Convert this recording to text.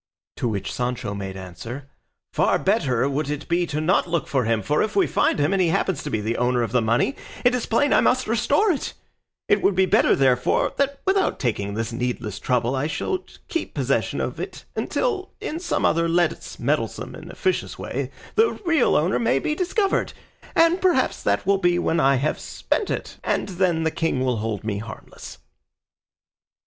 To which Sancho made answer, "Far better would it be not to look for him, for, if we find him, and he happens to be the owner of the money, it is plain I must restore it; it would be better, therefore, that without taking this needless trouble, I should keep possession of it until in some other less meddlesome and officious way the real owner may be discovered; and perhaps that will be when I shall have spent it, and then the king will hold me harmless."